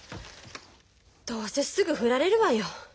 どうせすぐ振られるわよ。